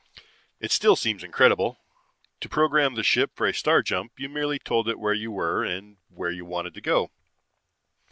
"It still seems incredible. To program the ship for a star jump, you merely told it where you were and where you wanted to go.